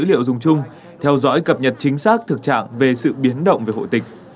tổ đề án dùng chung theo dõi cập nhật chính xác thực trạng về sự biến động về hộ tịch